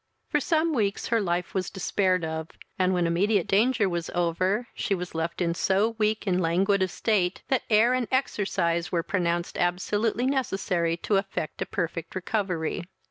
For some weeks her life was despaired of, and, when immediate danger was over, she was left in so weak and languid a state, that air and exercise were pronounced absolutely necessary to effect a perfect recovery.